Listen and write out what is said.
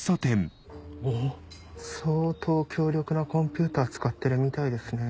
おぉ相当強力なコンピューター使ってるみたいですね。